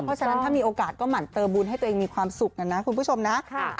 เพราะฉะนั้นถ้ามีโอกาสก็หมั่นเติมบุญให้ตัวเองมีความสุขนะคุณผู้ชมนะ